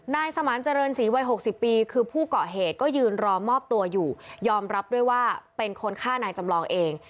นายสมานเจริญศรีวัย๖๐ปีคือผู้เกาะเหตุก็ยืนรอมอบตัวอยู่ยอมรับด้วยว่าเป็นคนฆ่านายจำลองเอง